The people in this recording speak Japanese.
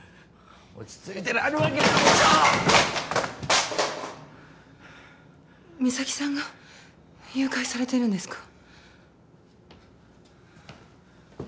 落ち着いてられるわけないでしょ実咲さんが誘拐されてるんですか？